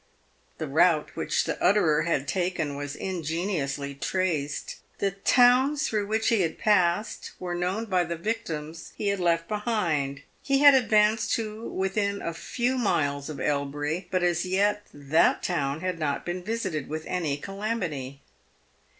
The route which the utterer had taken was ingeniously traced. The towns through which he had passed were known by the victims he had left behind. He had advanced to within a few miles of Elbury, but as yet that town had not been visited with any calamity.